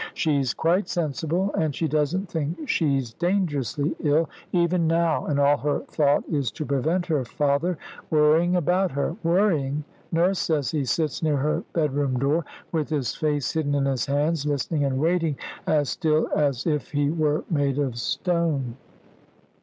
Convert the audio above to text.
She's quite sensible, and she doesn't think she's dangerously ill, even now, and all her thought is to prevent her father worrying about her. Worrying! Nurse says he sits near her bedroom door, with his face hidden in his hands, listening and waiting, as still as if he were made of stone."